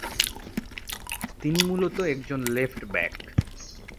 তিনি মূলত একজন লেফট ব্যাক।